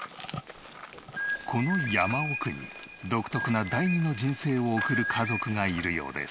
この山奥に独特な第二の人生を送る家族がいるようです。